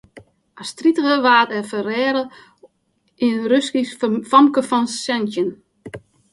As tritiger waard er fereale op in Russysk famke fan santjin.